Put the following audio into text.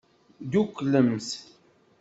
Dduklemt.